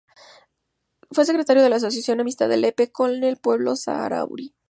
Fue Secretario de la asociación "Amistad de Lepe con el Pueblo Saharaui".